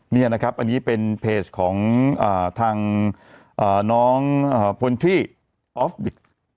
นี่นะครับอันนี้เป็นเพจของทางน้องพลที่